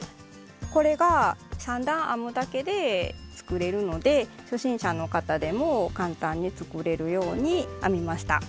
これが３段編むだけで作れるので初心者の方でも簡単に作れるように編みました。